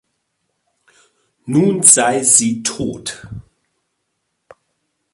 Nun sei sie tot.